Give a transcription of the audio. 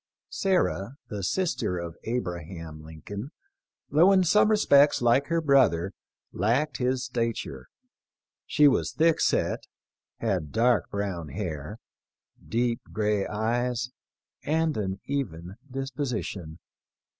Sarah, the sister of Abraham Lincoln, though in some respects like her brother, lacked his stature. She was thick set, had dark brown hair, deep gray eyes, and an even disposition.